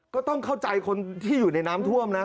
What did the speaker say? ก็ต้องเข้าใจคนที่อยู่ในน้ำท่วมนะ